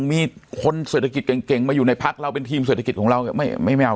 มีคนเศรษฐกิจเก่งมาอยู่ในพักเราเป็นทีมเศรษฐกิจของเราไม่เอา